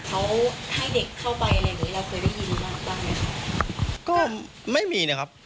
เขาให้เด็กเข้าไปอะไรหรือเราเคยได้ยินบ้างหรือเปล่า